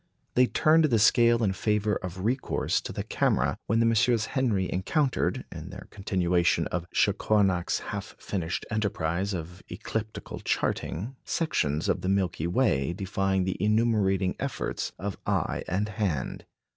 They turned the scale in favour of recourse to the camera when the MM. Henry encountered, in their continuation of Chacornac's half finished enterprise of ecliptical charting, sections of the Milky Way defying the enumerating efforts of eye and hand.